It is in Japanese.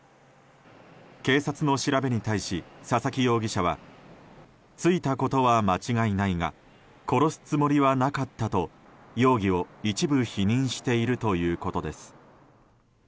警察の調べに対し佐々木容疑者は突いたことは間違いないが殺すつもりはなかったと容疑を一部否認しているということです。